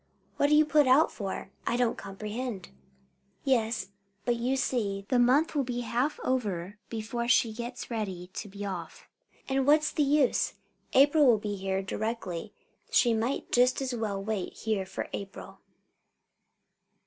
What are you put out for? I don't comprehend." "Yes, but you see, the month will be half over before she gets ready to be off; and what's the use? April will be here directly; she might just as well wait here for April."